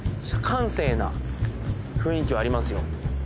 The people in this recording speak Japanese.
閑静な雰囲気はありますよ